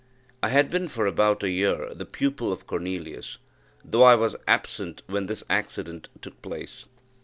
I had been for about a year the pupil of Cornelius, though I was absent when this accident took place.